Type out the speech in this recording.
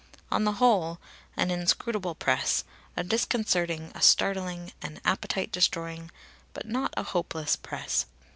On the whole, an inscrutable press, a disconcerting, a startling, an appetite destroying, but not a hopeless press.